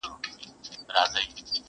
زه چي کلونه د رقیب وینو ته تږی ومه,